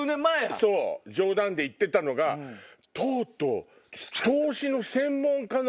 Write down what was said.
そう冗談で言ってたのがとうとう。